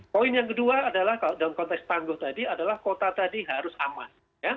poin yang kedua adalah kalau dalam konteks tangguh tadi adalah kota tadi harus aman